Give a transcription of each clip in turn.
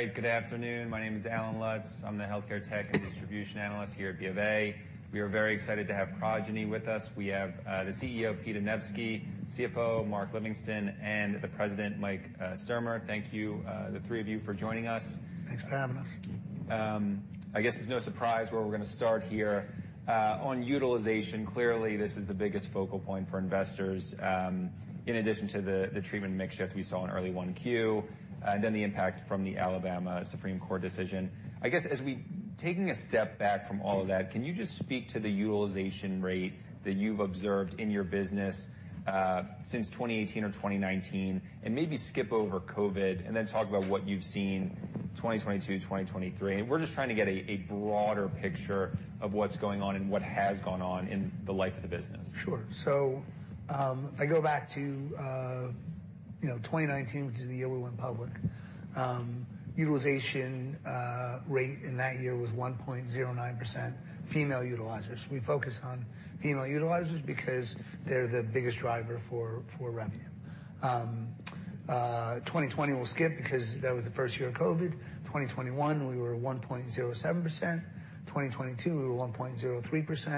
Hey, good afternoon. My name is Allen Lutz. I'm the Healthcare Tech and Distribution Analyst here at BofA. We are very excited to have Progyny with us. We have the CEO, Pete Anevski, CFO, Mark Livingston, and the President, Mike Sturmer. Thank you, the three of you for joining us. Thanks for having us. I guess it's no surprise where we're gonna start here. On utilization, clearly, this is the biggest focal point for investors, in addition to the treatment mix shift we saw in early Q1, and then the impact from the Alabama Supreme Court decision. I guess, taking a step back from all of that, can you just speak to the utilization rate that you've observed in your business, since 2018 or 2019, and maybe skip over COVID, and then talk about what you've seen 2022, 2023? We're just trying to get a broader picture of what's going on and what has gone on in the life of the business. Sure. So, I go back to, you know, 2019, which is the year we went public. Utilization rate in that year was 1.09% female utilizers. We focus on female utilizers because they're the biggest driver for revenue. 2020 we'll skip, because that was the first year of COVID. 2021, we were 1.07%. 2022, we were 1.03%,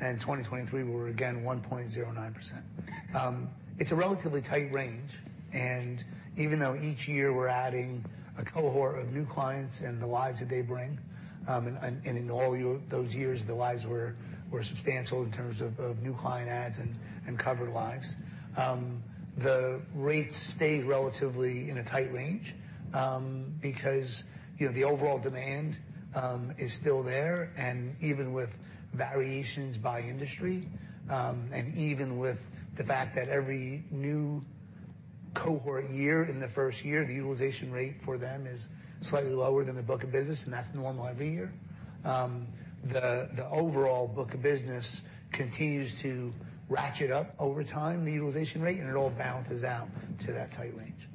and in 2023, we were again 1.09%. It's a relatively tight range, and even though each year we're adding a cohort of new clients and the lives that they bring, and in all those years, the lives were substantial in terms of new client adds and covered lives. The rates stayed relatively in a tight range, because, you know, the overall demand is still there, and even with variations by industry, and even with the fact that every new cohort year, in the first year, the utilization rate for them is slightly lower than the book of business, and that's normal every year. The overall book of business continues to ratchet up over time, the utilization rate, and it all balances out to that tight range.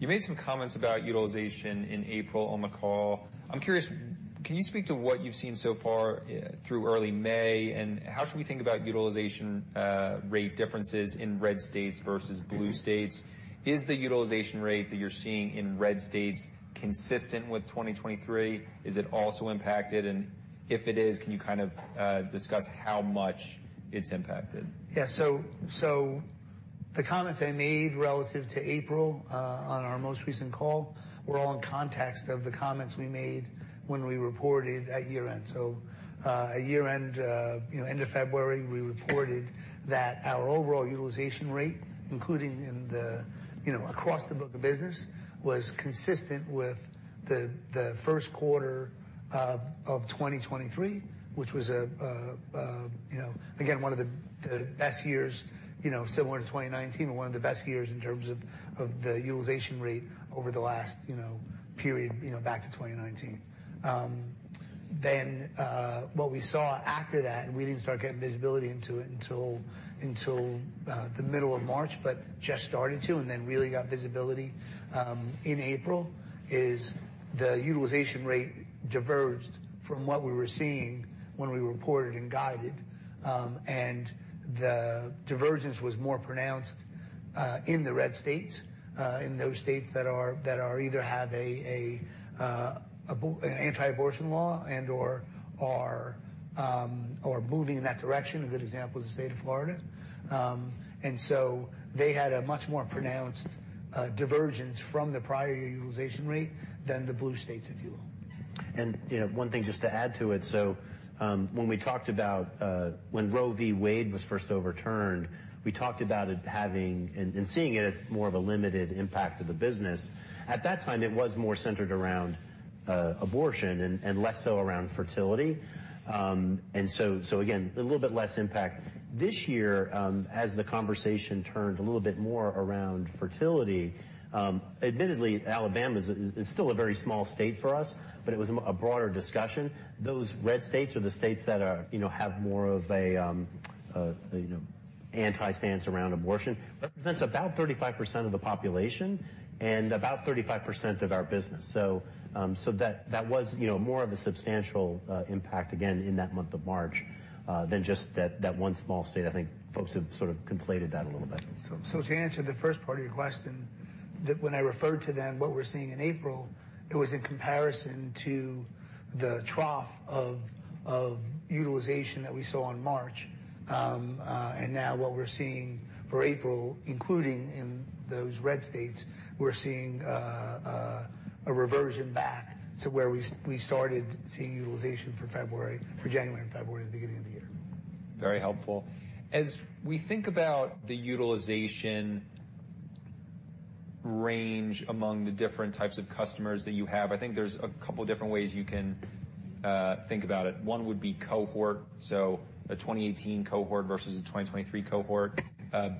You made some comments about utilization in April on the call. I'm curious, can you speak to what you've seen so far through early May, and how should we think about utilization rate differences in red states versus blue states? Is the utilization rate that you're seeing in red states consistent with 2023? Is it also impacted? And if it is, can you kind of discuss how much it's impacted? Yeah, so the comments I made relative to April on our most recent call were all in context of the comments we made when we reported at year-end. So, at year-end, you know, end of February, we reported that our overall utilization rate, including in the, you know, across the book of business, was consistent with the first quarter of 2023, which was, you know, again, one of the best years, you know, similar to 2019, and one of the best years in terms of the utilization rate over the last, you know, period, you know, back to 2019. Then, what we saw after that, and we didn't start getting visibility into it until the middle of March, but just started to, and then really got visibility in April, is the utilization rate diverged from what we were seeing when we reported and guided. And the divergence was more pronounced in the red states, in those states that are either have an anti-abortion law and/or are moving in that direction. A good example is the state of Florida. And so they had a much more pronounced divergence from the prior year utilization rate than the blue states, if you will. You know, one thing, just to add to it. When we talked about when Roe v. Wade was first overturned, we talked about it having and seeing it as more of a limited impact to the business. At that time, it was more centered around abortion and less so around fertility. So again, a little bit less impact. This year, as the conversation turned a little bit more around fertility, admittedly, Alabama is still a very small state for us, but it was a broader discussion. Those red states are the states that are, you know, have more of a anti-stance around abortion. Represents about 35% of the population and about 35% of our business. So, that was, you know, more of a substantial impact again, in that month of March, than just that one small state. I think folks have sort of conflated that a little bit. So, to answer the first part of your question, that when I referred to then what we're seeing in April, it was in comparison to the trough of utilization that we saw in March. And now what we're seeing for April, including in those red states, we're seeing a reversion back to where we started seeing utilization for January and February, the beginning of the year. Very helpful. As we think about the utilization range among the different types of customers that you have, I think there's a couple different ways you can think about it. One would be cohort, so a 2018 cohort versus a 2023 cohort.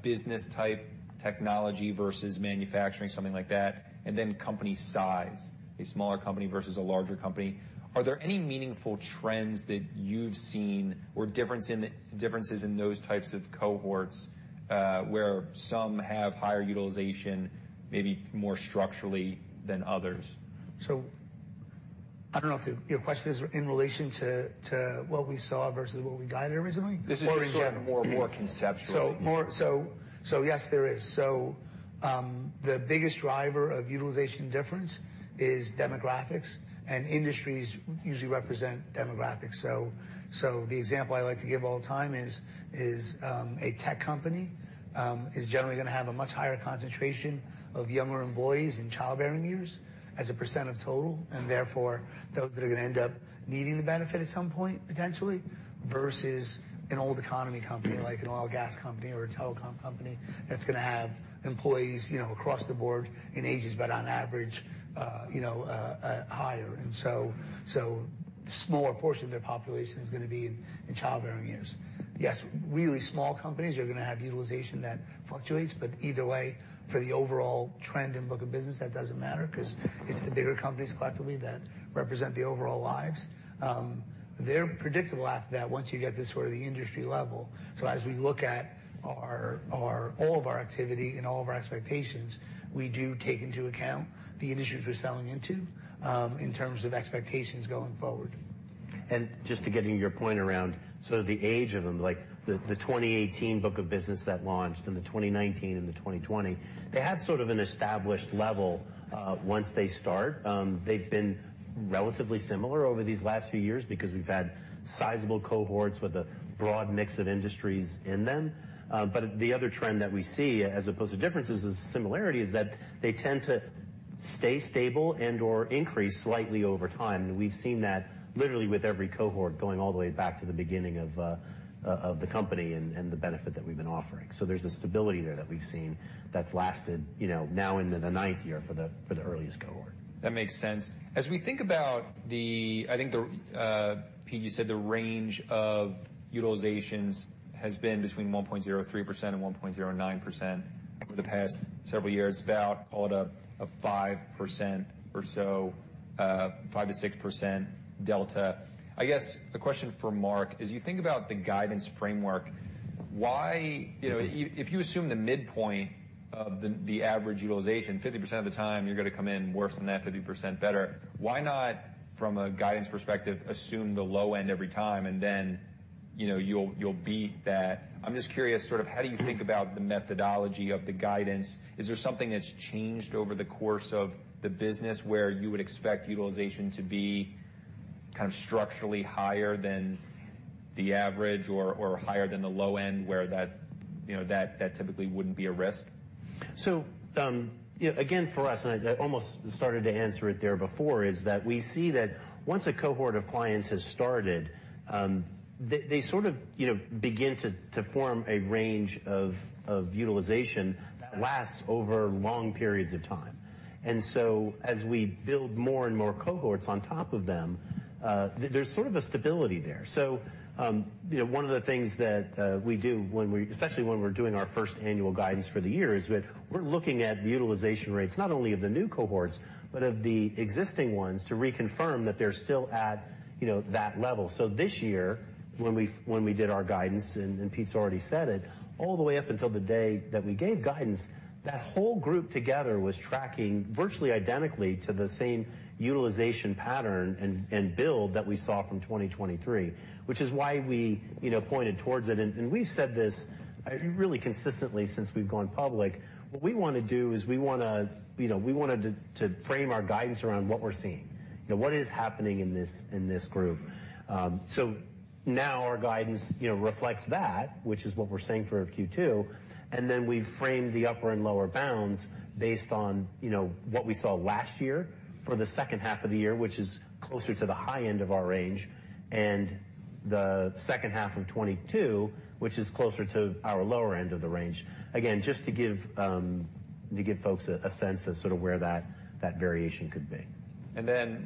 Business type, technology versus manufacturing, something like that, and then company size, a smaller company versus a larger company. Are there any meaningful trends that you've seen or differences in those types of cohorts, where some have higher utilization, maybe more structurally than others? I don't know if your question is in relation to what we saw versus what we guided originally? Or in general? This is just sort of more, more conceptual. Yes, there is. The biggest driver of utilization difference is demographics, and industries usually represent demographics. The example I like to give all the time is a tech company is generally gonna have a much higher concentration of younger employees in childbearing years as a percent of total, and therefore, they're gonna end up needing the benefit at some point, potentially, versus an old economy company, like an oil and gas company or a telecom company, that's gonna have employees, you know, across the board in ages, but on average, you know, higher. And so a smaller portion of their population is gonna be in childbearing years. Yes, really small companies are gonna have utilization that fluctuates, but either way, for the overall trend in book of business, that doesn't matter because it's the bigger companies collectively that represent the overall lives. They're predictable after that once you get to sort of the industry level. So as we look at all of our activity and all of our expectations, we do take into account the industries we're selling into, in terms of expectations going forward. And just to get to your point around sort of the age of them, like the 2018 book of business that launched, and the 2019 and the 2020, they have sort of an established level once they start. They've been relatively similar over these last few years because we've had sizable cohorts with a broad mix of industries in them. But the other trend that we see as opposed to differences is similarities, that they tend to stay stable and/or increase slightly over time. We've seen that literally with every cohort going all the way back to the beginning of the company and the benefit that we've been offering. So there's a stability there that we've seen that's lasted, you know, now into the 9th year for the earliest cohort. That makes sense. As we think about the, I think the, Pete, you said the range of utilizations has been between 1.03% and 1.09% over the past several years, about call it a 5% or so, 5%-6% delta. I guess the question for Mark, as you think about the guidance framework, why, you know, if you assume the midpoint of the, the average utilization, 50% of the time, you're going to come in worse than that, 50% better. Why not, from a guidance perspective, assume the low end every time, and then, you know, you'll, you'll beat that? I'm just curious, sort of, how do you think about the methodology of the guidance? Is there something that's changed over the course of the business where you would expect utilization to be kind of structurally higher than the average or, or higher than the low end, where that, you know, that, that typically wouldn't be a risk? So, again, for us, and I almost started to answer it there before, is that we see that once a cohort of clients has started, they sort of, you know, begin to form a range of utilization that lasts over long periods of time. And so as we build more and more cohorts on top of them, there's sort of a stability there. So, you know, one of the things that we do when we especially when we're doing our first annual guidance for the year, is that we're looking at the utilization rates, not only of the new cohorts, but of the existing ones, to reconfirm that they're still at, you know, that level. So this year, when we did our guidance, and Pete's already said it, all the way up until the day that we gave guidance, that whole group together was tracking virtually identically to the same utilization pattern and build that we saw from 2023, which is why we, you know, pointed towards it. We've said this really consistently since we've gone public. What we want to do is we wanna, you know, we wanted to frame our guidance around what we're seeing. You know, what is happening in this group? So now our guidance, you know, reflects that, which is what we're saying for Q2, and then we frame the upper and lower bounds based on, you know, what we saw last year for the second half of the year, which is closer to the high end of our range, and the second half of 2022, which is closer to our lower end of the range. Again, just to give to give folks a sense of sort of where that, that variation could be.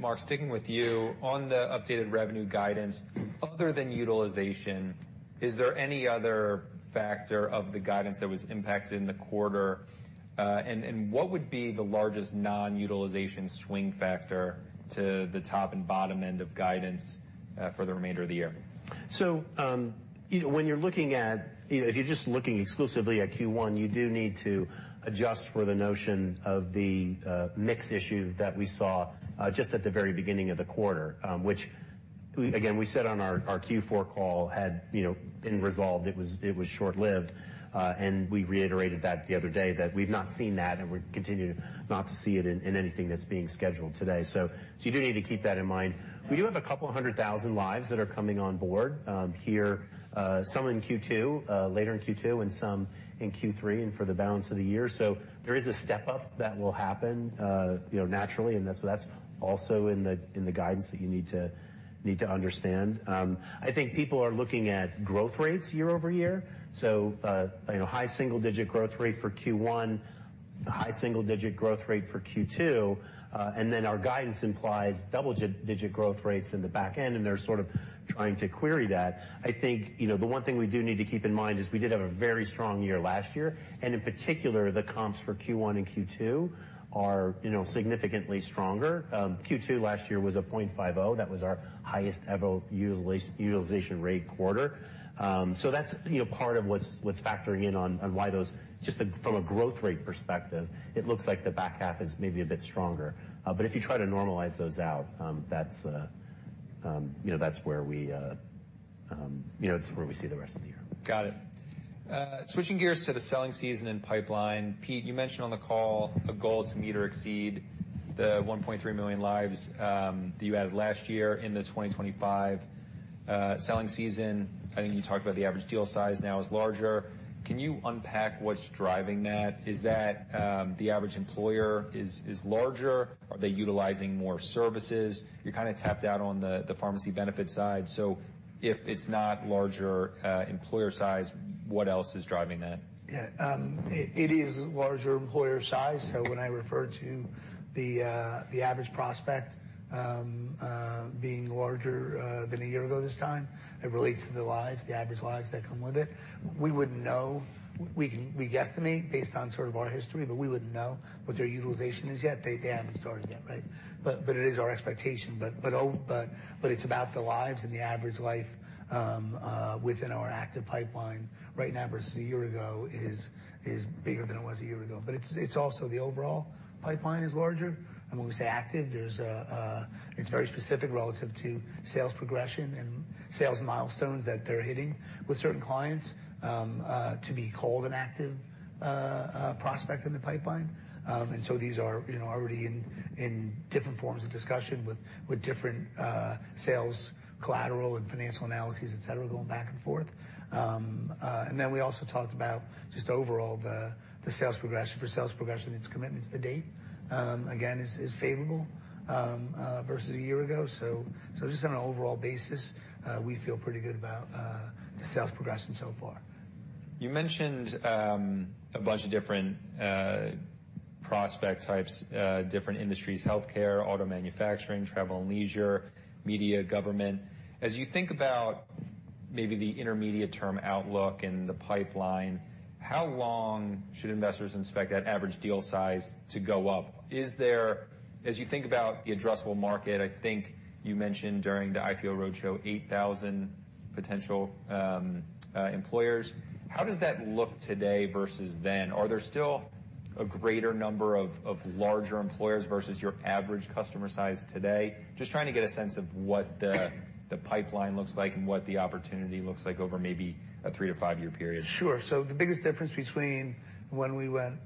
Mark, sticking with you on the updated revenue guidance, other than utilization, is there any other factor of the guidance that was impacted in the quarter? And what would be the largest non-utilization swing factor to the top and bottom end of guidance, for the remainder of the year? So, if you're just looking exclusively at Q1, you do need to adjust for the notion of the mix issue that we saw just at the very beginning of the quarter. Which, again, we said on our Q4 call had, you know, been resolved. It was, it was short-lived, and we reiterated that the other day, that we've not seen that, and we continue not to see it in, in anything that's being scheduled today. So, you do need to keep that in mind. We do have 200,000 lives that are coming on board here, some in Q2 later in Q2, and some in Q3 and for the balance of the year. So there is a step-up that will happen, you know, naturally, and that's also in the guidance that you need to understand. I think people are looking at growth rates year-over-year. So, you know, high single-digit growth rate for Q1, high single-digit growth rate for Q2, and then our guidance implies double-digit growth rates in the back end, and they're sort of trying to query that. I think, you know, the one thing we do need to keep in mind is we did have a very strong year last year, and in particular, the comps for Q1 and Q2 are, you know, significantly stronger. Q2 last year was 5.0%. That was our highest ever utilization rate quarter. So that's, you know, part of what's factoring in on why those just from a growth rate perspective, it looks like the back half is maybe a bit stronger. But if you try to normalize those out, that's, you know, that's where we, you know, that's where we see the rest of the year. Got it. Switching gears to the selling season and pipeline, Pete, you mentioned on the call a goal to meet or exceed the 1.3 million lives that you had last year in the 2025 selling season. I think you talked about the average deal size now is larger. Can you unpack what's driving that? Is that the average employer is larger? Are they utilizing more services? You're kind of tapped out on the pharmacy benefit side. So if it's not larger employer size, what else is driving that? Yeah. It is larger employer size. So when I refer to the average prospect being larger than a year ago this time, it relates to the lives, the average lives that come with it. We wouldn't know. We guesstimate based on sort of our history, but we wouldn't know what their utilization is yet. They haven't started yet, right? It's about the lives and the average life within our active pipeline right now versus a year ago is bigger than it was a year ago. But it's also the overall pipeline is larger, and when we say active, there's a, it's very specific relative to sales progression and sales milestones that they're hitting with certain clients to be called an active prospect in the pipeline. And so these are, you know, already in different forms of discussion with different sales collateral and financial analyses, et cetera, going back and forth. And then we also talked about just overall the sales progression. For sales progression, it's commitments to date, again, is favorable versus a year ago. So just on an overall basis, we feel pretty good about the sales progression so far. You mentioned a bunch of different prospect types, different industries, healthcare, auto manufacturing, travel and leisure, media, government. As you think about maybe the intermediate term outlook and the pipeline, how long should investors expect that average deal size to go up? As you think about the addressable market, I think you mentioned during the IPO roadshow, 8,000 potential employers. How does that look today versus then? Are there still a greater number of larger employers versus your average customer size today? Just trying to get a sense of what the pipeline looks like and what the opportunity looks like over maybe a 3-5-year period. Sure. So the biggest difference between when we went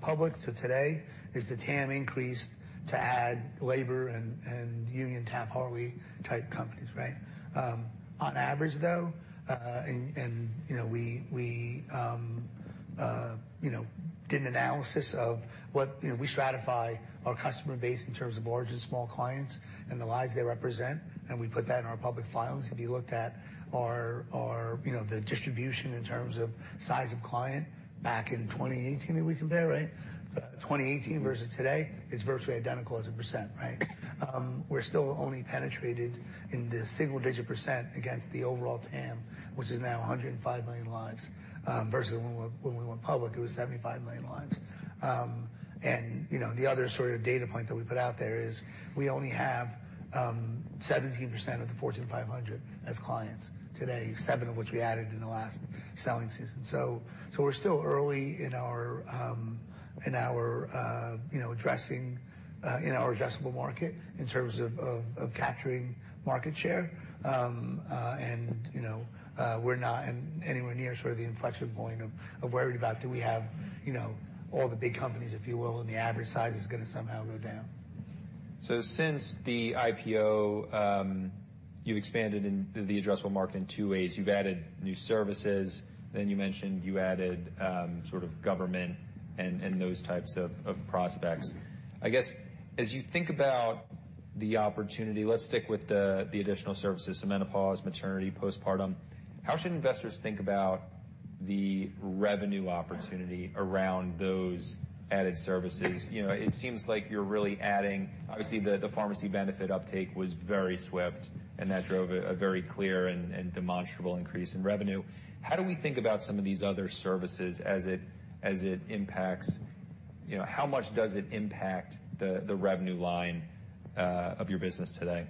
public to today is the TAM increased to add labor and union Taft-Hartley type companies, right? On average, though, and, you know, we did an analysis. You know, we stratify our customer base in terms of large and small clients and the lives they represent, and we put that in our public filings. If you looked at our you know, the distribution in terms of size of client back in 2018, that we compare, right? 2018 versus today is virtually identical as a percent, right? We're still only penetrated in the single digit percent against the overall TAM, which is now 105 million lives, versus when we went public, it was 75 million lives. And, you know, the other sort of data point that we put out there is we only have 17% of the Fortune 500 as clients today, 7 of which we added in the last selling season. So we're still early in our, in our, you know, addressing, in our addressable market in terms of, of, of capturing market share. And, you know, we're not anywhere near sort of the inflection point of, of worried about, do we have, you know, all the big companies, if you will, and the average size is gonna somehow go down. So since the IPO, you've expanded in the addressable market in two ways. You've added new services, then you mentioned you added sort of government and those types of prospects. I guess, as you think about the opportunity, let's stick with the additional services, so menopause, maternity, postpartum. How should investors think about the revenue opportunity around those added services? You know, it seems like you're really adding. Obviously, the pharmacy benefit uptake was very swift, and that drove a very clear and demonstrable increase in revenue. How do we think about some of these other services as it impacts, you know, how much does it impact the revenue line of your business today?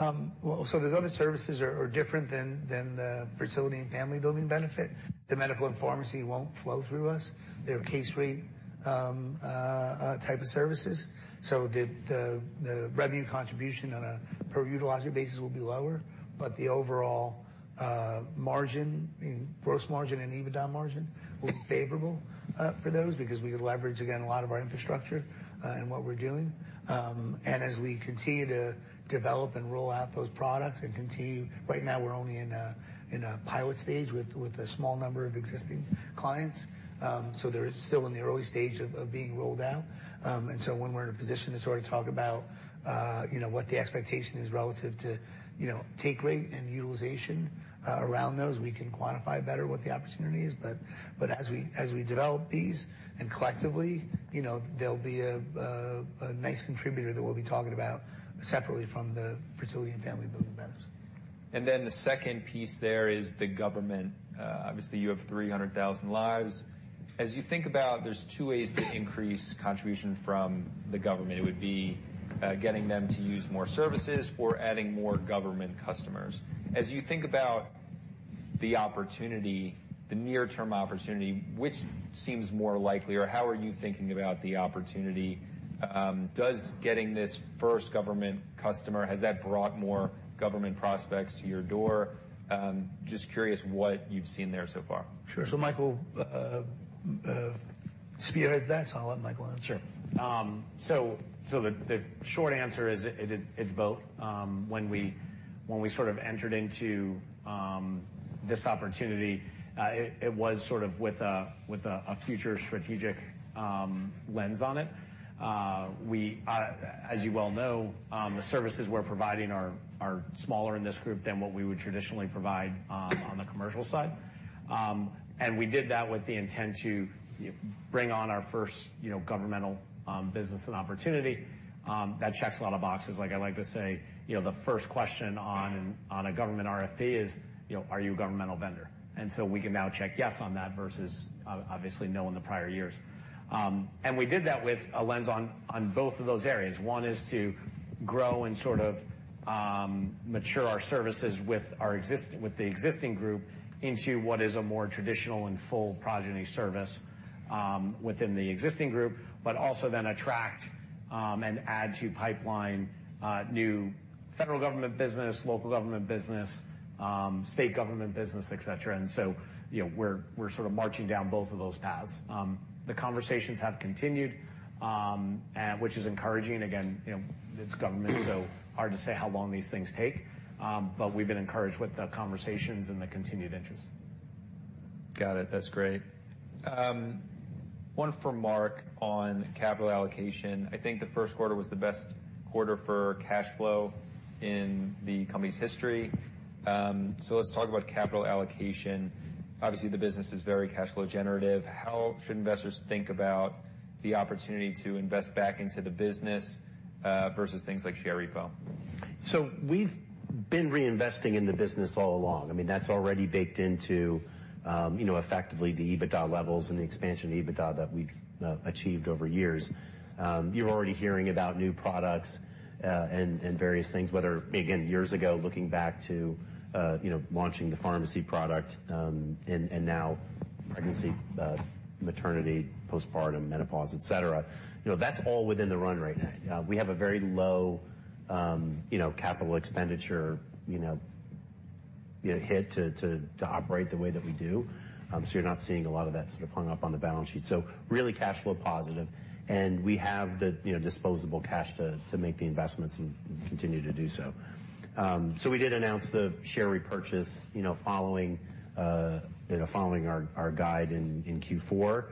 Well, so those other services are different than the fertility and family building benefit. The medical and pharmacy won't flow through us. They're case rate type of services. So the revenue contribution on a per utilizer basis will be lower, but the overall margin, gross margin and EBITDA margin will be favorable for those, because we could leverage, again, a lot of our infrastructure in what we're doing. And as we continue to develop and roll out those products and continue. Right now, we're only in a pilot stage with a small number of existing clients. So they're still in the early stage of being rolled out. And so when we're in a position to sort of talk about, you know, what the expectation is relative to, you know, take rate and utilization, around those, we can quantify better what the opportunity is. But as we develop these, and collectively, you know, they'll be a nice contributor that we'll be talking about separately from the fertility and family building benefits. And then the second piece there is the government. Obviously, you have 300,000 lives. As you think about, there's two ways to increase contribution from the government. It would be getting them to use more services or adding more government customers. As you think about the opportunity, the near-term opportunity, which seems more likely, or how are you thinking about the opportunity? Does getting this first government customer, has that brought more government prospects to your door? Just curious what you've seen there so far. Sure. So Michael spearheads that, so I'll let Michael answer. Sure. The short answer is it is-it's both. When we sort of entered into this opportunity, it was sort of with a future strategic lens on it. As you well know, the services we're providing are smaller in this group than what we would traditionally provide on the commercial side. And we did that with the intent to bring on our first, you know, governmental business and opportunity. That checks a lot of boxes. Like, I like to say, you know, the first question on a government RFP is, you know, "Are you a governmental vendor?" And so we can now check yes on that versus obviously no in the prior years. And we did that with a lens on, on both of those areas. One is to grow and sort of, mature our services with the existing group into what is a more traditional and full Progyny service, within the existing group. But also then attract, and add to pipeline, new federal government business, local government business, state government business, et cetera. And so, you know, we're, we're sort of marching down both of those paths. The conversations have continued, which is encouraging. Again, you know, it's government, so hard to say how long these things take. But we've been encouraged with the conversations and the continued interest. Got it. That's great. One for Mark on capital allocation. I think the first quarter was the best quarter for cash flow in the company's history. So let's talk about capital allocation. Obviously, the business is very cash flow generative. How should investors think about the opportunity to invest back into the business versus things like share repo? So we've been reinvesting in the business all along. I mean, that's already baked into, you know, effectively the EBITDA levels and the expansion EBITDA that we've achieved over years. You're already hearing about new products and various things, whether, again, years ago, looking back to, you know, launching the pharmacy product, and now pregnancy, maternity, postpartum, menopause, et cetera. You know, that's all within the run right now. We have a very low, you know, capital expenditure hit to operate the way that we do. So you're not seeing a lot of that sort of hung up on the balance sheet. So really cash flow positive, and we have the, you know, disposable cash to make the investments and continue to do so. So we did announce the share repurchase, you know, following our guide in Q4.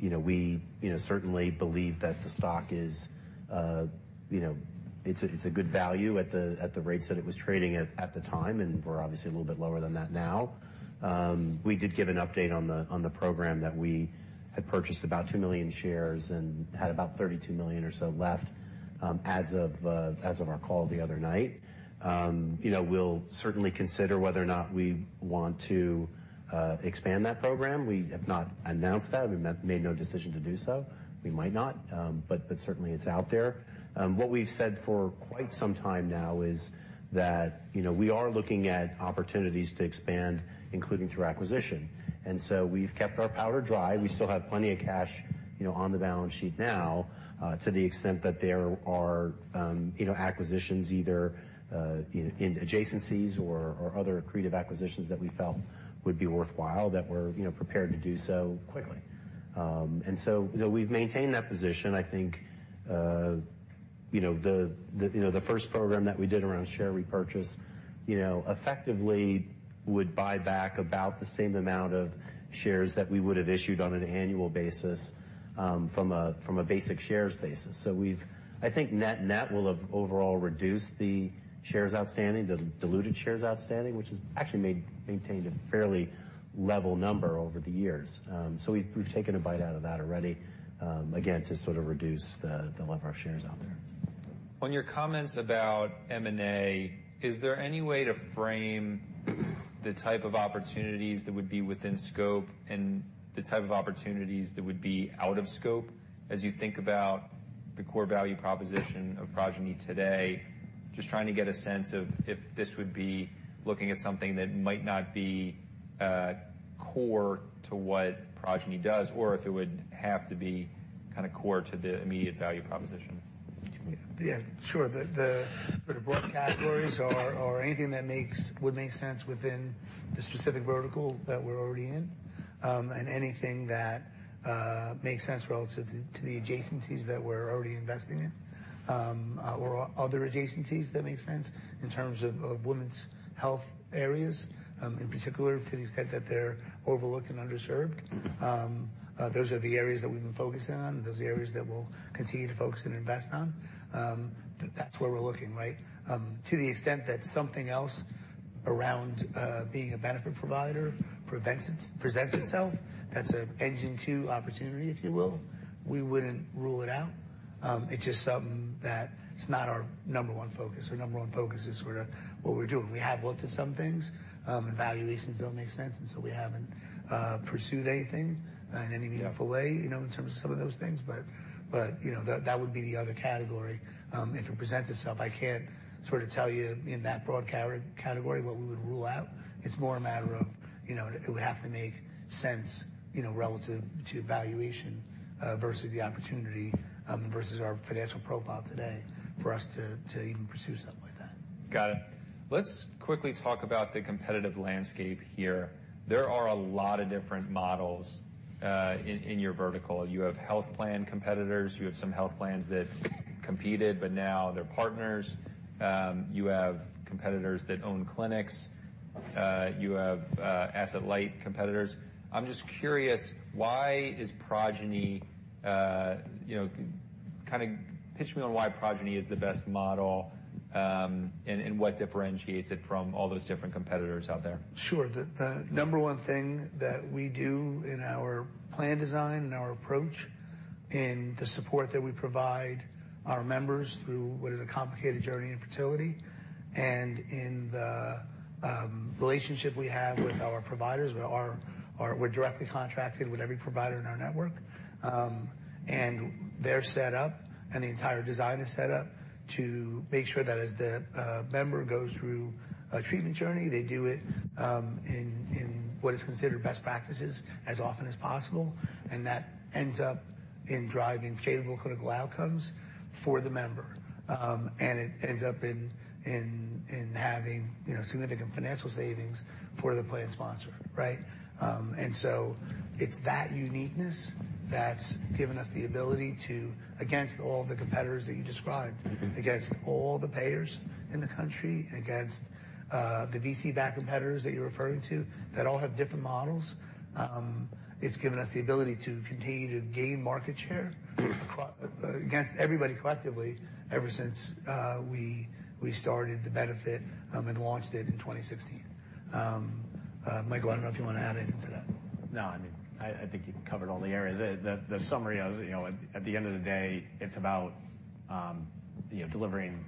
You know, we certainly believe that the stock is, you know, it's a good value at the rates that it was trading at the time, and we're obviously a little bit lower than that now. We did give an update on the program that we had purchased about 2 million shares and had about 32 million or so left, as of our call the other night. You know, we'll certainly consider whether or not we want to expand that program. We have not announced that. We've made no decision to do so. We might not, but certainly it's out there. What we've said for quite some time now is that, you know, we are looking at opportunities to expand, including through acquisition. So we've kept our powder dry. We still have plenty of cash, you know, on the balance sheet now, to the extent that there are, you know, acquisitions either in adjacencies or other accretive acquisitions that we felt would be worthwhile, that we're, you know, prepared to do so quickly. So, you know, we've maintained that position. I think, you know, the first program that we did around share repurchase, you know, effectively would buy back about the same amount of shares that we would have issued on an annual basis, from a basic shares basis. So we've, I think net, net, we'll have overall reduced the shares outstanding, the diluted shares outstanding, which has actually maintained a fairly level number over the years. So we've taken a bite out of that already, again, to sort of reduce the number of our shares out there. On your comments about M&A, is there any way to frame the type of opportunities that would be within scope and the type of opportunities that would be out of scope, as you think about the core value proposition of Progyny today? Just trying to get a sense of if this would be looking at something that might not be core to what Progyny does, or if it would have to be kind of core to the immediate value proposition. Yeah, sure. The sort of broad categories are anything that would make sense within the specific vertical that we're already in, and anything that makes sense relative to the adjacencies that we're already investing in, or other adjacencies that make sense in terms of women's health areas, in particular, to the extent that they're overlooked and underserved. Those are the areas that we've been focusing on. Those are the areas that we'll continue to focus and invest on. That's where we're looking, right? To the extent that something else around being a benefit provider presents itself, that's an Engine 2 opportunity, if you will, we wouldn't rule it out. It's just something that it's not our number one focus. Our number one focus is sort of what we're doing. We have looked at some things, and valuations don't make sense, and so we haven't pursued anything in any meaningful way, you know, in terms of some of those things. But, you know, that would be the other category if it presents itself. I can't sort of tell you in that broad category what we would rule out. It's more a matter of, you know, it would have to make sense, you know, relative to valuation versus the opportunity versus our financial profile today for us to even pursue something like that. Got it. Let's quickly talk about the competitive landscape here. There are a lot of different models in your vertical. You have health plan competitors, you have some health plans that competed, but now they're partners. You have competitors that own clinics, you have asset-light competitors. I'm just curious, why is Progyny you know... Kind of pitch me on why Progyny is the best model, and what differentiates it from all those different competitors out there? Sure. The number one thing that we do in our plan design and our approach, in the support that we provide our members through what is a complicated journey in fertility, and in the relationship we have with our providers, we're directly contracted with every provider in our network. And they're set up, and the entire design is set up to make sure that as the member goes through a treatment journey, they do it in what is considered best practices as often as possible, and that ends up in driving favorable clinical outcomes for the member. And it ends up in having, you know, significant financial savings for the plan sponsor, right? And so it's that uniqueness that's given us the ability to, against all the competitors that you described, against all the payers in the country, against, the VC-backed competitors that you're referring to, that all have different models. It's given us the ability to continue to gain market share against everybody collectively, ever since, we started the benefit, and launched it in 2016. Michael, I don't know if you want to add anything to that. No, I mean, I think you've covered all the areas. The summary is, you know, at the end of the day, it's about, you know, delivering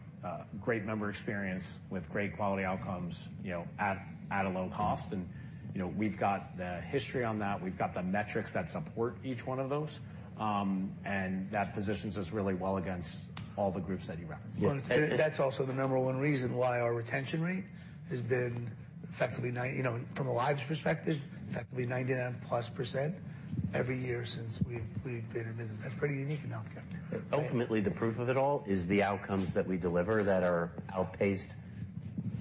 great member experience with great quality outcomes, you know, at a low cost. And, you know, we've got the history on that. We've got the metrics that support each one of those. And that positions us really well against all the groups that you referenced. Well, and that's also the number one reason why our retention rate has been effectively 99+%, you know, from a lives perspective, every year since we've been in business. That's pretty unique in healthcare. Ultimately, the proof of it all is the outcomes that we deliver that are outpaced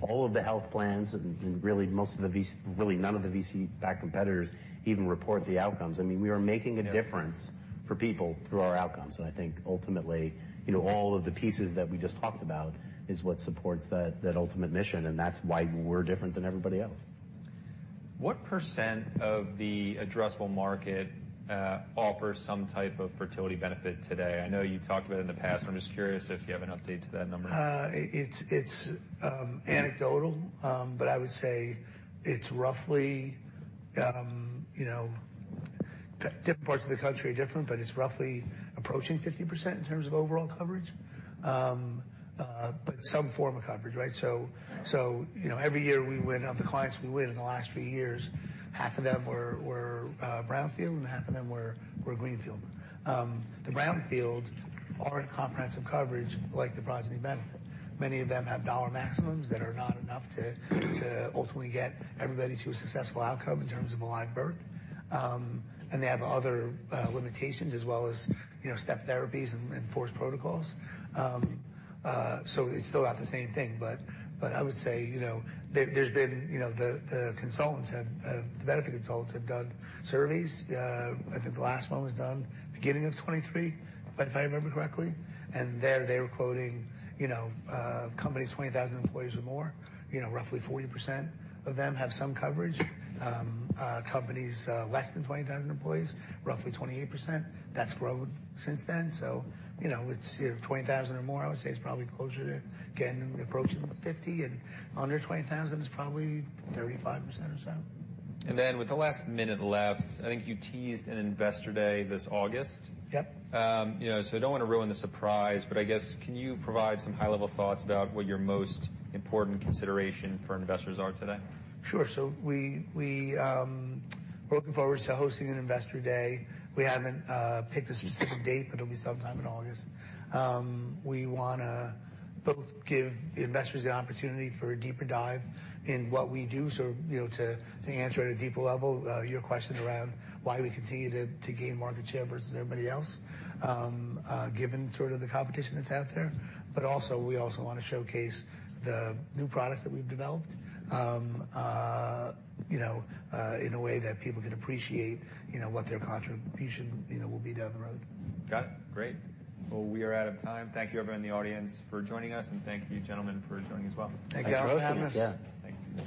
all of the health plans, and really, most of the VC, really none of the VC-backed competitors even report the outcomes. I mean, we are making a difference for people through our outcomes. I think ultimately, you know, all of the pieces that we just talked about is what supports that, that ultimate mission, and that's why we're different than everybody else. What % of the addressable market offers some type of fertility benefit today? I know you've talked about it in the past, but I'm just curious if you have an update to that number. It's anecdotal, but I would say it's roughly, you know, different parts of the country are different, but it's roughly approaching 50% in terms of overall coverage. But some form of coverage, right? So, you know, every year we win of the clients we win in the last few years, half of them were brownfield, and half of them were greenfield. The brownfield aren't comprehensive coverage like the Progyny benefit. Many of them have dollar maximums that are not enough to ultimately get everybody to a successful outcome in terms of a live birth. And they have other limitations as well as, you know, step therapies and enforced protocols. So it's still not the same thing. But I would say, you know, there, there's been, you know, the benefit consultants have done surveys. I think the last one was done beginning of 2023, if I remember correctly. They were quoting, you know, companies, 20,000 employees or more, you know, roughly 40% of them have some coverage. Companies, less than 20,000 employees, roughly 28%. That's grown since then. You know, it's, if 20,000 or more, I would say it's probably closer to getting, approaching 50%, and under 20,000 is probably 35% or so. And then, with the last minute left, I think you teased an Investor Day this August. Yep. You know, so I don't want to ruin the surprise, but I guess, can you provide some high-level thoughts about what your most important consideration for investors are today? Sure. So looking forward to hosting an Investor Day. We haven't picked a specific date, but it'll be sometime in August. We wanna both give the investors the opportunity for a deeper dive in what we do, so, you know, to answer at a deeper level, your question around why we continue to gain market share versus everybody else, given sort of the competition that's out there. But also, we also want to showcase the new products that we've developed, you know, you know, what their contribution, you know, will be down the road. Got it. Great. Well, we are out of time. Thank you, everyone in the audience, for joining us, and thank you, gentlemen, for joining as well. Thank you all for having us. Thank you.